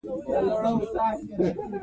د ریګ دښتې د افغانستان د ځمکې د جوړښت نښه ده.